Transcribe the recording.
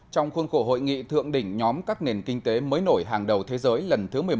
trong khuôn khổ hội nghị thượng đỉnh nhóm các nền kinh tế mới nổi hàng đầu thế giới lần thứ một mươi một